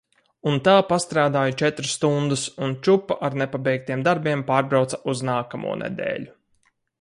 Un tā pastrādāju četras stundas un čupa ar nepabeigtiem darbiem pārbrauca uz nākamo nedēļu.